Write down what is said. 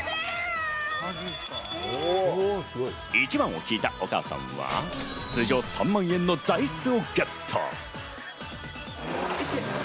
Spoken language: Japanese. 一番を引いたお母さんは通常３万円の座椅子をゲット。